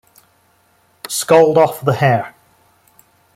Scald off the hair.